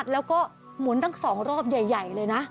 แล้วก็หมุนตั้ง๒รอบใหญ่เลยนะ